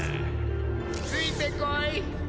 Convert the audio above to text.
ついてこい。